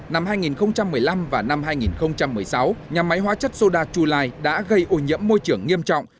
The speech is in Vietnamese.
năm hai nghìn một mươi năm và năm hai nghìn một mươi sáu nhà máy hóa chất soda chulai đã gây ô nhiễm môi trường nghiêm trọng